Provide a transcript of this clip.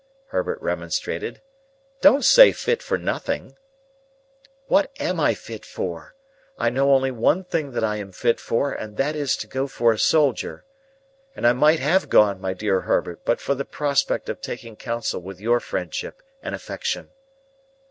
Herbert remonstrated. "Don't say fit for nothing." "What am I fit for? I know only one thing that I am fit for, and that is, to go for a soldier. And I might have gone, my dear Herbert, but for the prospect of taking counsel with your friendship and affection."